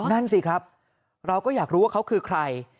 นั่นสิครับเราก็อยากรู้ว่าเขาคือใคร